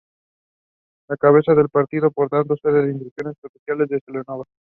La cabeza de partido y por tanto sede de las instituciones judiciales es Celanova.